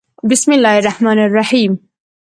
《بِسْمِ اللَّـهِ الرَّحْمَـٰنِ الرَّحِيمِ》